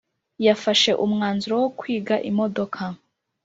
yafashe umwanzuro wo kwiga imodoka